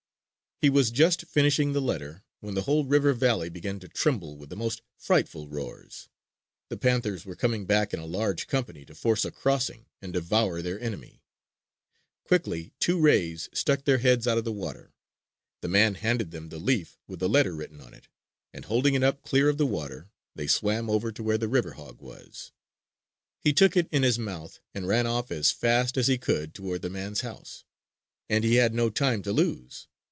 He was just finishing the letter when the whole river valley began to tremble with the most frightful roars. The panthers were coming back in a large company to force a crossing and devour their enemy. Quickly two rays stuck their heads out of the water. The man handed them the leaf with the letter written on it; and holding it up clear of the water, they swam over to where the river hog was. He took it in his mouth and ran off as fast as he could toward the man's house. And he had no time to lose.